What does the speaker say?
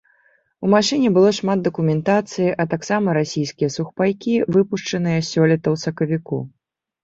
У машыне было шмат дакументацыі а таксама расійскія сухпайкі, выпушчаныя сёлета ў сакавіку.